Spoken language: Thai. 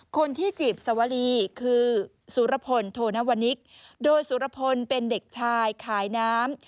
คนที่จีบสวรีคือสุรพลโทนวนิกโดยสุรพลเป็นเด็กชายขายน้ำ